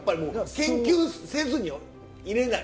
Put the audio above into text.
研究せずにはいれない。